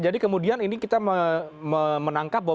jadi kemudian ini kita menangkap bahwa